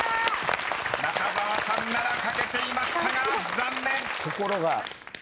［中澤さんなら書けていましたが残念！］